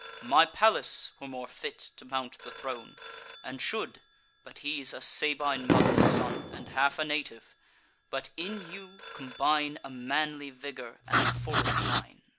My Pallas were more fit to mount the throne, And should, but he's a Sabine mother's son, And half a native; but, in you, combine A manly vigour, and a foreign line.